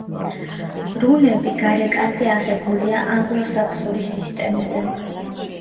რუნები გარეკანზე აღებულია ანგლო-საქსური სისტემიდან.